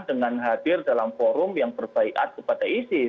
dengan hadir dalam forum yang berbaikat kepada isis